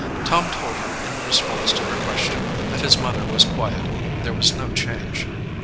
Tom told her in response to her question that his mother was quiet, there was no change.